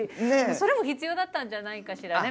それも必要だったんじゃないかしらね。